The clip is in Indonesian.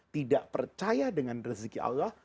tidak percaya dengan rezeki allah